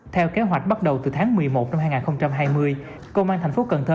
theo kế hoạch bắt đầu từ tháng một mươi một năm hai nghìn hai mươi công an thành phố cần thơ